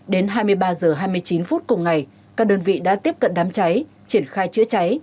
đến hai mươi ba h hai mươi chín phút cùng ngày các đơn vị đã tiếp cận đám cháy triển khai chữa cháy